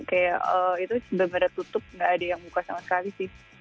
gak tutup gak ada yang buka sama sekali sih